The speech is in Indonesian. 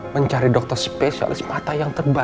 mencari dokter spesialis mata yang terbaik